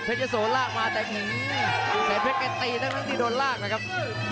เพชรยะโสลากมาแต่หื้มแสดงเพชรกันตีแล้วนึงที่โดนลากนะครับ